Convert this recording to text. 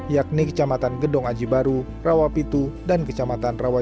yakni kecamatan gedong aji baru rawapitu dan kecamatan kedong aji baru